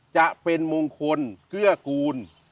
จะเป็นมงคลเกื้อกูล